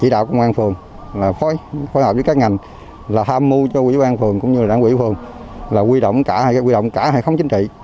đạo công an phường phối hợp với các ngành là ham mưu cho quỹ ban phường cũng như đảng quỹ phường là quy động cả hay không chính trị